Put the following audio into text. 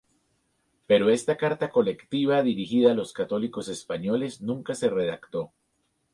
Pero esta carta colectiva dirigida a los católicos españoles nunca se redactó.